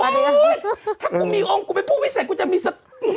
ถ้ากูมีองค์กูไปพูดไม่ใส่กูจะมีสติ